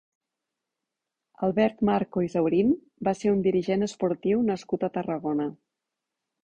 Albert Marco i Zaurín va ser un dirigent esportiu nascut a Tarragona.